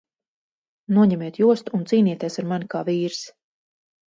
Noņemiet jostu un cīnieties ar mani kā vīrs!